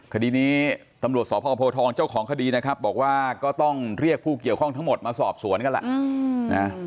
คดีนี้ตำรวจสพโพทองเจ้าของคดีนะครับบอกว่าก็ต้องเรียกผู้เกี่ยวข้องทั้งหมดมาสอบสวนกันล่ะ